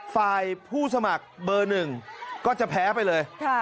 ฟายผู้สมัครเบอร์๑ก็จะแพ้ไปเลย